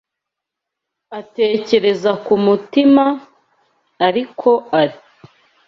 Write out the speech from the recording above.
atekereza ku mutima, ari ko ari